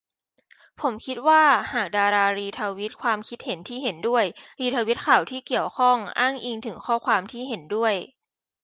ผมคิดว่าหากดารารีทวีตความคิดเห็นที่เห็นด้วย รีทวีตข่าวที่เกี่ยวข้อง อ้างอิงถึงข้อความที่เห็นด้วย